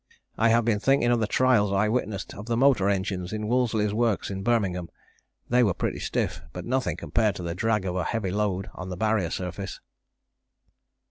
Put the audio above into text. I have been thinking of the trials I witnessed of the motor engines in Wolseley's works in Birmingham, they were pretty stiff but nothing compared to the drag of a heavy load on the Barrier surface.